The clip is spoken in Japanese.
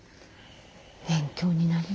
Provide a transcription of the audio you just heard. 勉強になりますね。